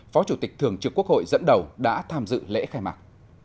phó chủ tịch thường trực quốc hội dẫn đầu đã tham dự lễ khai mạc